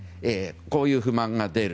こういう不満が出る。